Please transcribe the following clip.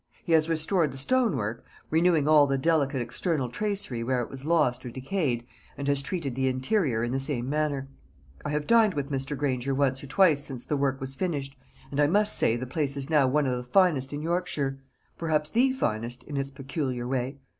He has restored the stonework, renewing all the delicate external tracery where it was lost or decayed, and has treated the interior in the same manner. I have dined with Mr. Granger once or twice since the work was finished, and I must say the place is now one of the finest in Yorkshire perhaps the finest, in its peculiar way.